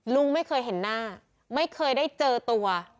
ลุงไม่เคยเห็นหน้าไม่เคยได้เจอตัว